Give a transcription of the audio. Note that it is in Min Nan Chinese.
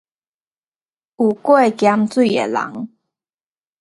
有過鹽水的人